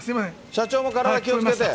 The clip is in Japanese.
社長も体気をつけて。